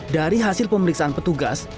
dari hasil pemeriksaan petugas